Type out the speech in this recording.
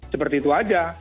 seperti itu aja